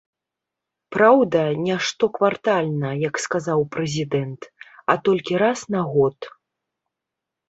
Праўда, не штоквартальна, як сказаў прэзідэнт, а толькі раз на год.